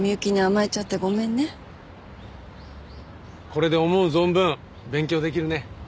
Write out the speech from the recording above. これで思う存分勉強できるね。